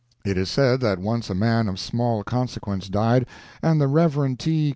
It is said that once a man of small consequence died, and the Rev. T.